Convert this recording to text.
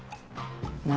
何？